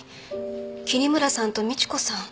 桐村さんと美知子さん